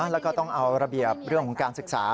แล้วก็ต้องเอาระเบียบเรื่องของการศึกษา